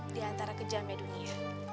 di antara kejamnya dunia